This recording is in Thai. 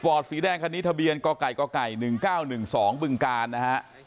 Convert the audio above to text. ฟอร์ตสีแดงคันนี้ทะเบียนกก๑๙๑๒บึงกานนะฮะ